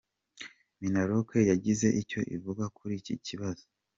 Minaloc yagize icyo ivuga kuri iki kibazo.